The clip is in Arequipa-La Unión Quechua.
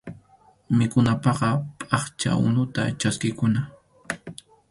Mikhunapaqqa phaqcha unuta chaskikuna.